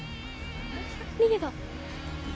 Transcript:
逃げた。